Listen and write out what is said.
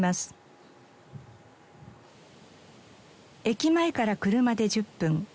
駅前から車で１０分。